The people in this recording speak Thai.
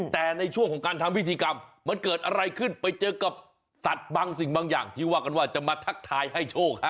แต่ในช่วงของการทำพิธีกรรมมันเกิดอะไรขึ้นไปเจอกับสัตว์บางสิ่งบางอย่างที่ว่ากันว่าจะมาทักทายให้โชคฮะ